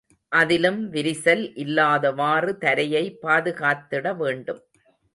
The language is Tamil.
அதிலும் விரிசல் இல்லாதவாறு தரையை பாதுகாத்திட வேண்டும்.